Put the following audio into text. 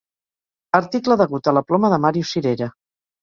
Article degut a la ploma de Màrius Cirera.